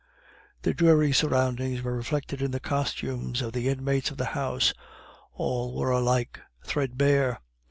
The dreary surroundings were reflected in the costumes of the inmates of the house; all were alike threadbare.